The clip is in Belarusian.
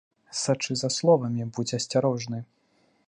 Сачы за словамі, будзь асцярожны.